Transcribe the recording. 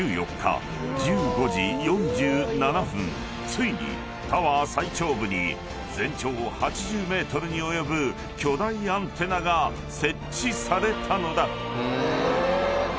［ついにタワー最頂部に全長８０ｍに及ぶ巨大アンテナが設置されたのだ］